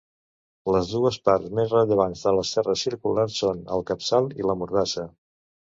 Les dues parts més rellevants de les serres circulars són el capçal i la mordassa.